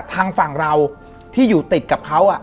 ทางฝั่งเราที่อยู่ติดกับเขา